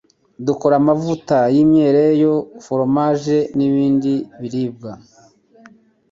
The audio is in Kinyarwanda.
Dukora amavuta y'imyelayo, foromaje n'ibindi biribwa.